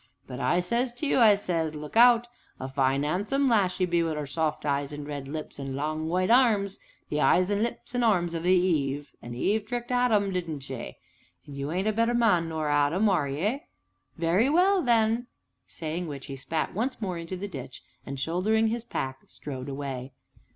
But I says to you, I says look out! a fine 'andsome lass she be, wi' 'er soft eyes and red lips, and long, white arms the eyes and lips and arms of a Eve; and Eve tricked Adam, didn't she? and you ain't a better man nor Adam, are ye? very well then!" saying which, he spat once more into the ditch, and, shouldering his pack, strode away.